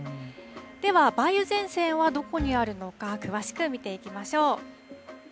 では、梅雨前線はどこにあるのか、詳しく見ていきましょう。